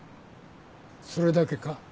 それだけか？